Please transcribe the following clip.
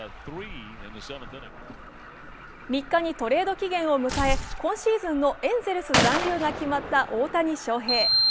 ３日にトレード期限を迎え、今シーズンのエンゼルス残留が決まった大谷翔平。